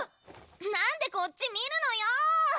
なんでこっち見るのよ！